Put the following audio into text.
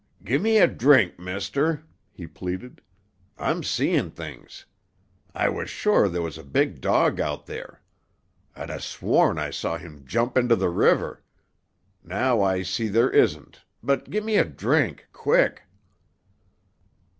"Gimme a drink, mister," he pleaded. "I'm seeing things. I was sure there was a big dog out there. I'd 'a' sworn I saw him jump into the river. Now I see there isn't, but gimme a drink—quick!"